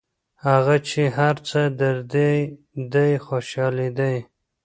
هغه چي هر څه دردېدی دی خوشحالېدی